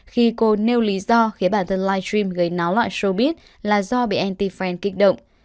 khi cô nêu lý do khiến bản thân livestream gây náo loại showbiz là do bị anti fan kích động